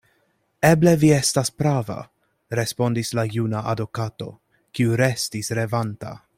Eble vi estas prava, respondis la juna adokato, kiu restis revanta.